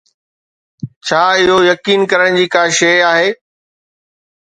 ڇا اهو يقين ڪرڻ جي ڪا شيء آهي؟